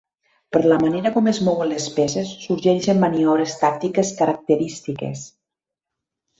Per la manera com es mouen les peces, sorgeixen maniobres tàctiques característiques.